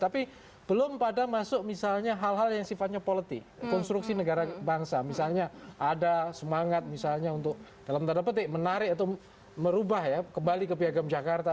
tapi belum pada masuk misalnya hal hal yang sifatnya politik konstruksi negara bangsa misalnya ada semangat misalnya untuk dalam tanda petik menarik atau merubah ya kembali ke piagam jakarta